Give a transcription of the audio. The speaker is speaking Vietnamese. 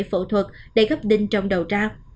phẫu thuật để gấp đinh trong đầu ra